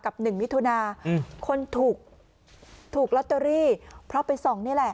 หนึ่งมิถุนาคนถูกถูกลอตเตอรี่เพราะไปส่องนี่แหละ